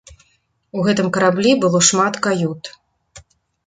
У гэтым караблі было шмат кают.